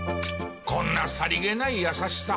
こんなさりげない優しさ！